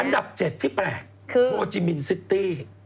อันดับ๗ที่แปลกคือโฮจิมินซิตี้